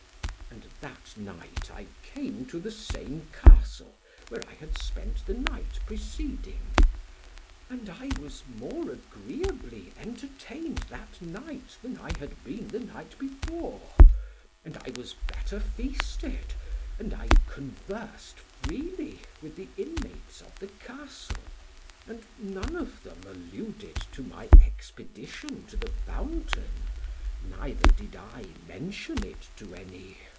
And that night I came to the same Castle, where I had spent the night preceding. And I was more agreeably entertained that night, than I had been the night before; and I was better feasted, and I conversed freely with the inmates of the Castle; and none of them alluded to my expedition to the fountain, neither did I mention it to any.